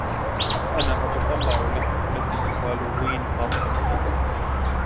أنا أتتطلع لحفلة الهالووين خاصتك.